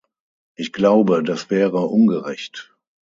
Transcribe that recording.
Ich glaube, das wäre ungerecht.